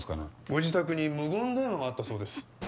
ご自宅に無言電話があったそうです。